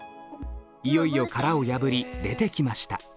いよいよからを破り出てきました